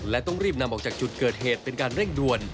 และต้องรีบนำออกจากจุดเกิดเหตุเป็นการเร่งด่วน